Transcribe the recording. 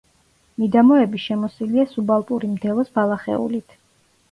მიდამოები შემოსილია სუბალპური მდელოს ბალახეულით.